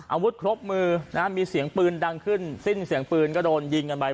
อาวุธครบมือนะฮะมีเสียงปืนดังขึ้นสิ้นเสียงปืนก็โดนยิงกันไป